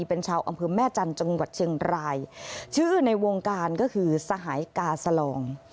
เป็นชาวอำเภอแม่จันทร์จังหวัดเชียงรายชื่อในวงการก็คือสหายกาสลอง